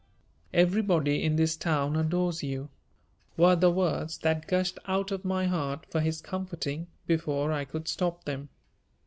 "Everybody in this town adores you," were the words that gushed out of my heart for his comforting before I could stop them.